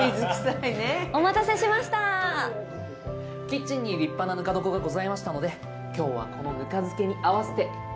キッチンに立派なぬか床がございましたので今日はこのぬか漬けに合わせて和食にしてみました。